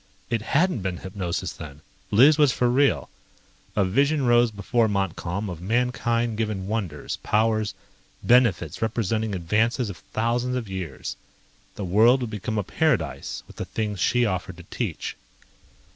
It hadn't been hypnosis then! Liz was for real. A vision rose before Montcalm of mankind given wonders, powers, benefits representing advances of thousands of years. The world could become a paradise with the things she offered to teach.